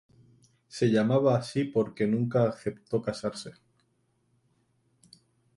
Se la llamaba así porque nunca aceptó casarse.